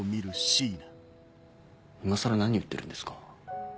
今更何言ってるんですか？